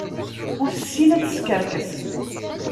Ur tessin ad teskerkes.